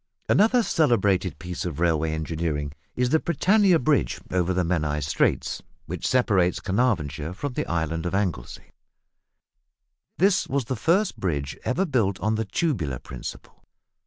Another celebrated piece of railway engineering is the Britannia Bridge over the Menai Straits, which separates Caernarvonshire from the island of Anglesey. This was the first bridge ever built on the tubular principle.